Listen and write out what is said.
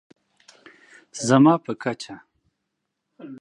زما په کچه